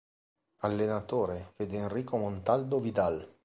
Allenatore:Federico Montaldo Vidal